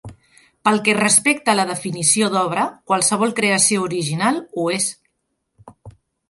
Pel que respecta a la definició d'obra, qualsevol creació original ho és.